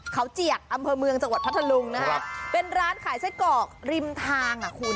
เขาเจียกอำเภอเมืองจังหวัดพัทธลุงนะฮะเป็นร้านขายไส้กรอกริมทางอ่ะคุณ